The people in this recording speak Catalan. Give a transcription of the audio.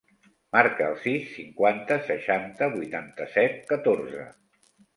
Marca el sis, cinquanta, seixanta, vuitanta-set, catorze.